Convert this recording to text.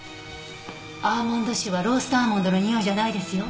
アーモンド臭はローストアーモンドのにおいじゃないですよ。